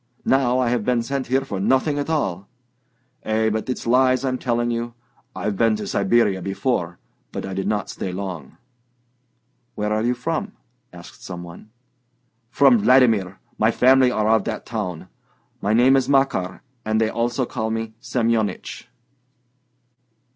Now I have been sent here for nothing at all... Eh, but it's lies I'm telling you; I've been to Siberia before, but I did not stay long." "Where are you from?" asked some one. "From Vladimir. My family are of that town. My name is Makar, and they also call me Semyonich."